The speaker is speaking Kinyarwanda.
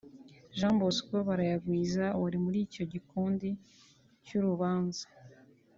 Jean-Bosco Barayagwiza wari muri icyo gikundi cy’urubanza